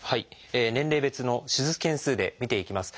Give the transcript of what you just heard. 年齢別の手術件数で見ていきます。